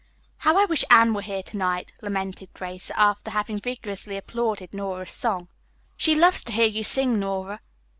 "How I wish Anne were here to night," lamented Grace, after having vigorously applauded Nora's song. "She loves to hear you sing, Nora."